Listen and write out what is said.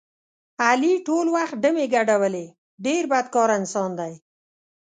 علي ټول وخت ډمې ګډولې ډېر بدکاره انسان دی.